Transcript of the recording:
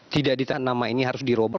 tidak ditaat nama ini harus dirobot